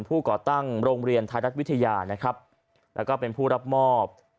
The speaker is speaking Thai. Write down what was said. ผู้ก่อตั้งโรงเรียนธนรัฐวิทยาและก็เป็นผู้รับมอบ